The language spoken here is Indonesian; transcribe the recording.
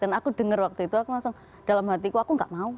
dan aku denger waktu itu aku langsung dalam hatiku aku gak mau